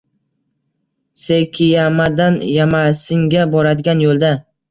Sekiyamadan Yamasinga boradigan yo‘lda.